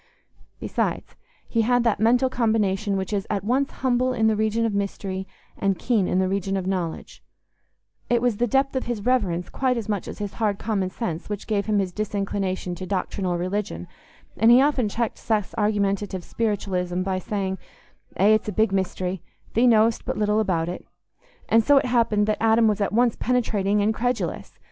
Besides, he had that mental combination which is at once humble in the region of mystery and keen in the region of knowledge: it was the depth of his reverence quite as much as his hard common sense which gave him his disinclination to doctrinal religion, and he often checked Seth's argumentative spiritualism by saying, "Eh, it's a big mystery; thee know'st but little about it." And so it happened that Adam was at once penetrating and credulous.